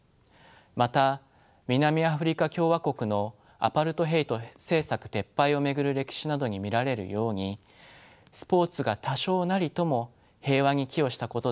また南アフリカ共和国のアパルトヘイト政策撤廃を巡る歴史などに見られるようにスポーツが多少なりとも平和に寄与したことだってあります。